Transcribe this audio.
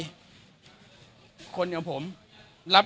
แล้วถามเขาแล้วไม่ยืนด้วยกัน